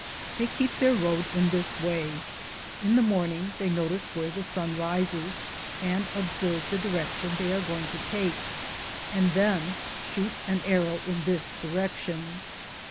They keep their road in this way : In the morning they sit, Google THE JOURNEY OP COBONADO notice where the sun risen and observe the direction they are going to take, and then shoot an arrow in this direction.